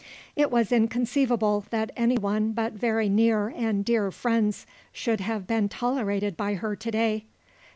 It was inconceivable that anyone but very near and dear friends should have been tolerated by her to day.